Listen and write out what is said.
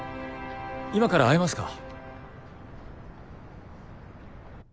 今から会えますか？